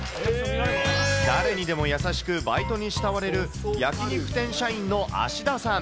誰にでも優しくバイトに慕われる、焼き肉店社員の芦田さん。